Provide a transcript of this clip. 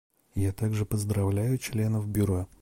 Я также поздравляю членов Бюро.